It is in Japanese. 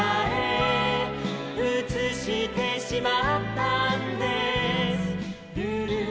「うつしてしまったんですルル」